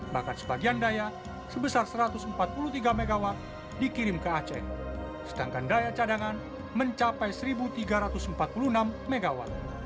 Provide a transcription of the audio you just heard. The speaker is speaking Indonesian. bahkan sebagian daya sebesar satu ratus empat puluh tiga mw dikirim ke aceh sedangkan daya cadangan mencapai satu tiga ratus empat puluh enam mw